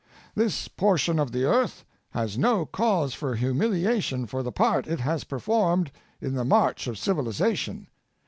This portion of the earth has no cause for humiliation for the part it has performed in the march of civilization.